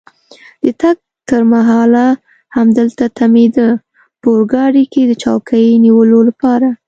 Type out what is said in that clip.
د تګ تر مهاله همدلته تمېده، په اورګاډي کې د چوکۍ نیولو لپاره.